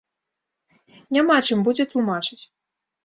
Няма чым будзе тлумачыць.